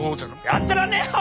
やってらんねえよ